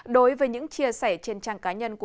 đối với những chia sẻ trên trang